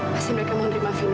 pasti mereka menerima fino